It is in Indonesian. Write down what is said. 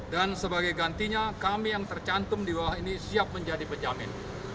dan sebagai gantinya kami yang tercantum di bawah ini siap menjadi penjamin